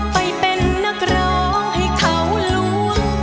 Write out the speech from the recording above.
ไปเป็นนักร้องให้เขาล้วง